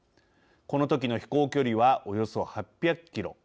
この時の飛行距離はおよそ８００キロ。